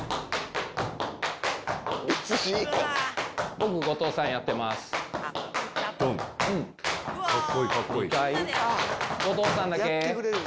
僕後藤さんやってます。後藤さんだけ。